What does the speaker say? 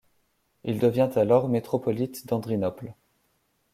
Il devient alors métropolite d'Andrinople.